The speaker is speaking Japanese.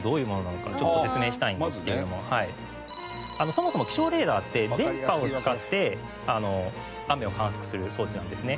そもそも気象レーダーって電波を使って雨を観測する装置なんですね。